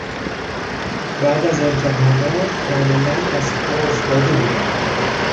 بعد از امتحانات کاملا از پا افتاده بودم.